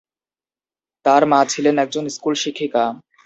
তার মা ছিলেন একজন স্কুল শিক্ষিকা।